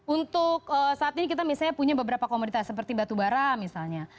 untuk saat ini kita misalnya punya beberapa komoditas seperti batubara misalnya